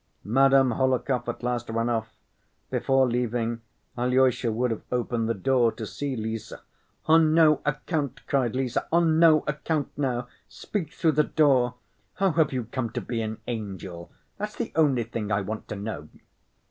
Madame Hohlakov at last ran off. Before leaving, Alyosha would have opened the door to see Lise. "On no account," cried Lise. "On no account now. Speak through the door. How have you come to be an angel? That's the only thing I want to know."